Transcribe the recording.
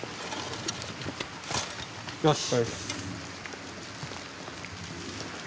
よし。